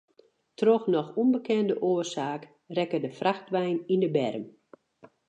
Troch noch ûnbekende oarsaak rekke de frachtwein yn de berm.